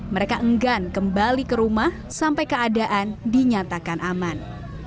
mereka enggan kembali ke rumah sampai keadaan dinyatakan aman